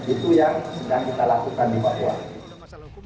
itu yang sedang kita lakukan di papua